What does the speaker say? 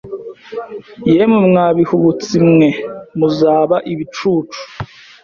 Yemwe mwa bihubutsi mwe muzaba ibicucu